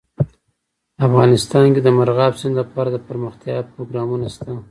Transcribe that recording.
افغانستان کې د مورغاب سیند لپاره دپرمختیا پروګرامونه شته.